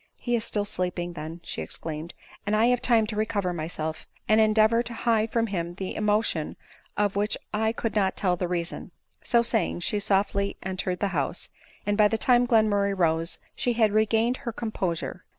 " He is still sleeping then," she exclaimed, " and I have time to recover myself, and endeavor to hide from him the emotion of which I could not tell the reason." So saying, she softly entered the house, and by the time Glenmurray rose she had regained her composure.